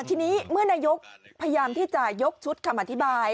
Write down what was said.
ทีนี้เมื่อนายกพยายามที่จะยกชุดคำอธิบาย